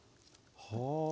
はあ。